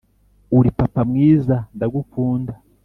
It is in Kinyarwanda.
uri papa mwiza ndagukunda.